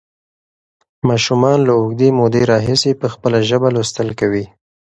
ماشومان له اوږدې مودې راهیسې په خپله ژبه لوستل کوي.